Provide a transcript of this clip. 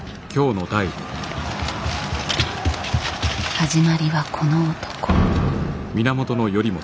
始まりはこの男。